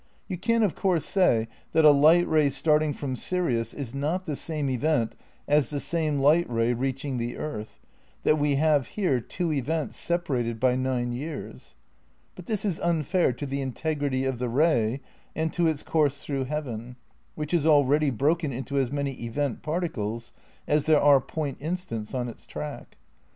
You can of course say that a light ray starting from Sirius is not the same event as the same light ray reaching the earth, that we have here two events separated by nine years. But this is unfair to the integrity of the ray and to its course through heaven, which is already broken into as many event particles as there are point instants on its track.